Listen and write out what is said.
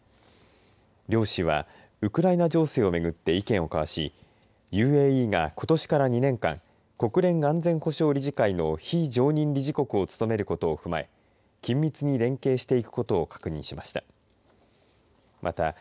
両氏はウクライナ情勢をめぐって意見を交わしＵＡＥが、ことしから２年間国連安全保障理事会の非常任理事国を務めることを踏まえ緊密に連携していくことを確認しました。